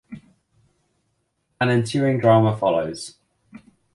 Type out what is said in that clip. An ensuing drama follows.